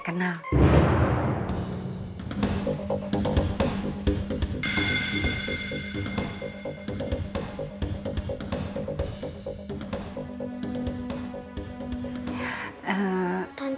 aku pernah saya kenal